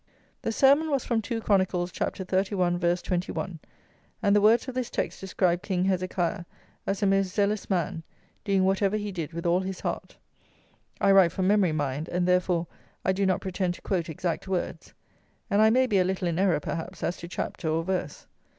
The sermon was from 2 Chronicles, ch. 31. v. 21., and the words of this text described King Hezekiah as a most zealous man, doing whatever he did with all his heart. I write from memory, mind, and, therefore, I do not pretend to quote exact words; and I may be a little in error, perhaps, as to chapter or verse.